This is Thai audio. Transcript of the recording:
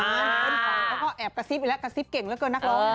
คนขับเขาก็แอบกระซิบอีกแล้วกระซิบเก่งเหลือเกินนักร้อง